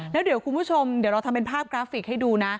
แล้วเดี๋ยวคุณผู้ชมเดี๋ยวเราทำเป็นภาพกราฟิกให้ดูนะ